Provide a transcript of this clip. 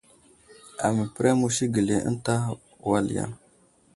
Aməpəreŋ musi gəli ata ənta wal yaŋ.